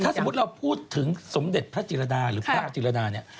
ถ้าสมมุติเราพูดถึงสมเด็จพระจิรดาหรือพระอาจิรดาเนี่ย